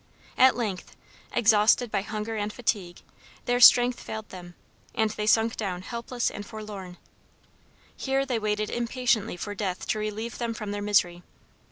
At length, exhausted by hunger and fatigue, their strength failed them, and they sunk down helpless and forlorn. Here they waited impatiently for death to relieve them from their misery.